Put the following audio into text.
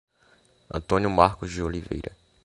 Antônio Marcos de Oliveira